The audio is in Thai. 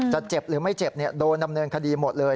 เจ็บหรือไม่เจ็บโดนดำเนินคดีหมดเลย